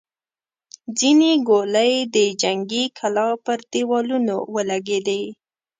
ځينې ګولۍ د جنګي کلا پر دېوالونو ولګېدې.